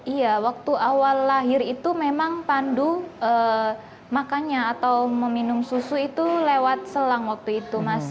iya waktu awal lahir itu memang pandu makannya atau meminum susu itu lewat selang waktu itu mas